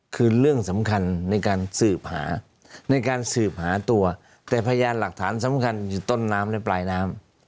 คือเรื่องสำคัญในการสืบหาในการสืบหาตัวแต่พยานหลักฐานสำคัญอยู่ต้นน้ำและปลายน้ำ